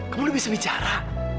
kamu udah bisa bicara